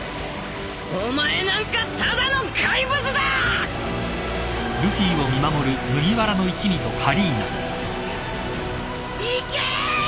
お前なんかただの怪物だ！いけ！！